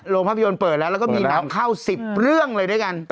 ลงภาพยนตร์เปิดแล้วก็มีทั้ง๑๐เรื่องเลยด้วยกัน